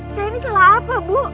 saya ini salah apa bu